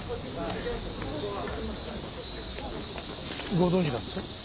ご存じなんですか？